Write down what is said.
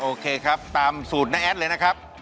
โอเคครับตามสูตรน้าแอดเลยนะครับ